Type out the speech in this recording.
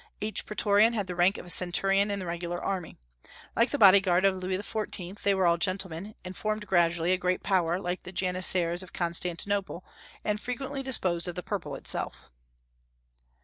Each praetorian had the rank of a centurion in the regular army. Like the body guard of Louis XIV. they were all gentlemen, and formed gradually a great power, like the Janissaries at Constantinople, and frequently disposed of the purple itself.